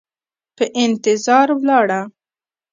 په انتظار ولاړه